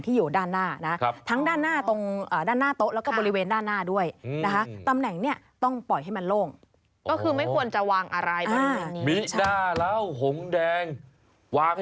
ตำแหน่งหงแดงก็คือเป็นตำแหน่งที่อยู่ด้านหน้า